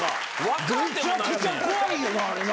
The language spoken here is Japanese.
めちゃくちゃ怖いよなあれな。